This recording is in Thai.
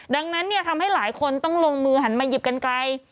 ดังนั้นทำให้หลายคนต้องลงมือหันมาหยิบกันไกล